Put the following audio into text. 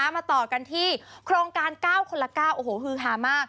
มาต่อกันที่โครงการ๙คนละ๙โอ้โหฮือฮามาก